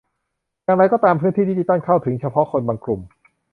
อย่างไรก็ตามพื้นที่ดิจิทัลเข้าถึงเฉพาะคนบางกลุ่ม